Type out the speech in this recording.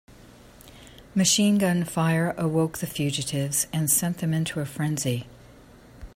Machine gun fire awoke the fugitives and sent them into a frenzy.